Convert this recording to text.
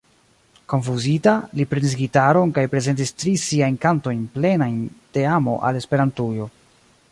Konfuzita, li prenis gitaron kaj prezentis tri siajn kantojn plenajn de amo al Esperantujo.